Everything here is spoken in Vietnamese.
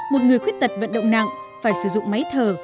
một người khuyết tật vận động nặng phải sử dụng máy thở